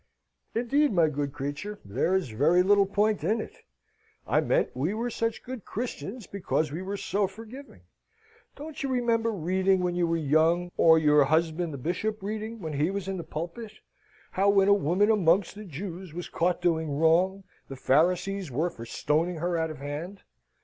"Indeed, my good creature, there is very little point in it! I meant we were such good Christians, because we were so forgiving. Don't you remember reading, when you were young, or your husband the Bishop reading, when he was in the pulpit, how when a woman amongst the Jews was caught doing wrong, the Pharisees were for stoning her out of hand?